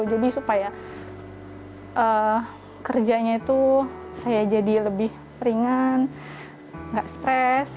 jadi supaya kerjanya itu saya jadi lebih ringan nggak stres